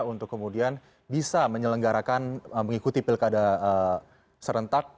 untuk kemudian bisa menyelenggarakan mengikuti pilkada serentak